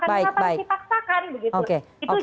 kenapa sih dipaksakan begitu